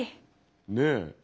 ねえ。